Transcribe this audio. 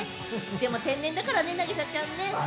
でも天然だからね、凪咲ちゃん。